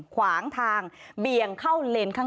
ขวางทางเบี่ยงเข้าเลนข้าง